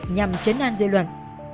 nhằm chấn an dự luận